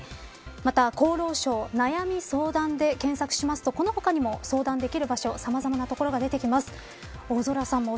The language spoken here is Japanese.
また厚労省悩み相談で検索しますとこの他にも、相談できる場所さまざまな場所が出てきます。